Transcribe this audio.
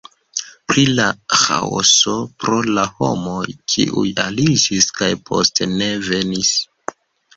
Pri la ĥaoso pro la homoj, kiuj aliĝis kaj poste ne venis.